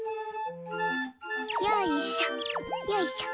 よいしょよいしょ！